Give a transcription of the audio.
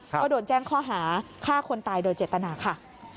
ก็โดนแจ้งข้อหาฆ่าคนตายโดยเจตนาค่ะ